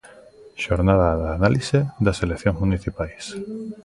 Xornada de análise das eleccións municipais.